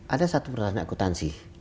ada satu peraturan yang aku tansih